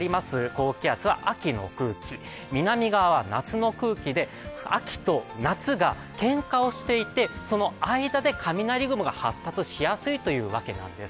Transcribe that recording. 高気圧は秋の空気、南側は夏の空気で秋と夏がけんかをしていて、その間で雷雲が発達しやすいというわけなんです。